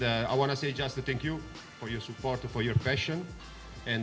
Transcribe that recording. dan saya ingin mengucapkan terima kasih untuk dukungan anda untuk pasien anda